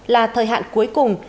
là thời hạn cuối cùng